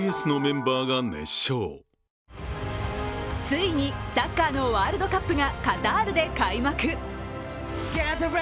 ついにサッカーのワールドカップがカタールで開幕。